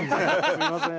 すみません。